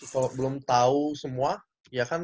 kalau belum tahu semua ya kan